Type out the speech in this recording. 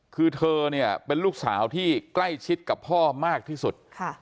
คือเธอเนี่ยเป็นลูกสาวที่ใกล้ชิดกับพ่อมากที่สุด